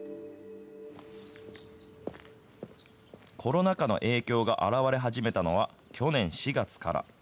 コロナ禍の影響が現れ始めたのは、去年４月から。